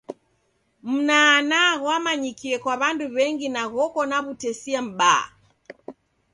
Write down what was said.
Mnanaa ghwamanyikie kwa w'andu w'engi na ghoko na wutesia m'baa.